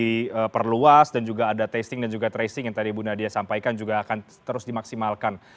diperluas dan juga ada testing dan juga tracing yang tadi bu nadia sampaikan juga akan terus dimaksimalkan